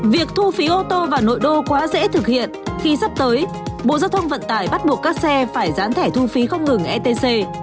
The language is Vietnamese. việc thu phí ô tô vào nội đô quá dễ thực hiện khi sắp tới bộ giao thông vận tải bắt buộc các xe phải dán thẻ thu phí không ngừng etc